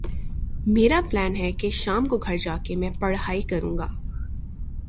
میرا پلین ہے کہ شام کو گھر جا کے میں پڑھائی کرو گا۔